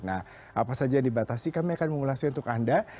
nah apa saja yang dibatasi kami akan mengulasnya untuk anda